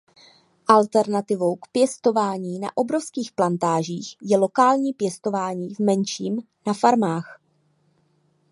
Alternativou k pěstování na obrovských plantážích je lokální pěstování v menším na farmách.